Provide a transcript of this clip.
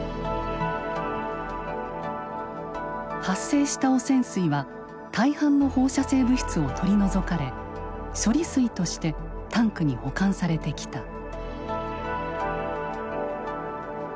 発生した汚染水は大半の放射性物質を取り除かれ処理水としてタンクに保管されてきた。